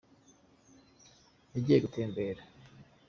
Yagiye gutembera.